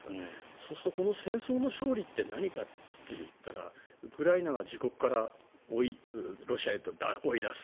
そうするとこの戦争の勝利って何かといったらウクライナが自国からロシアを追い出す。